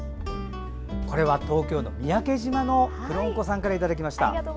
これは東京・三宅島のくろんこさんからいただきました。